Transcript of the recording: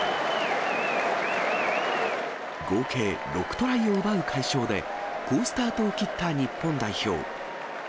合計６トライを奪う快勝で、好スタートを切った日本代表。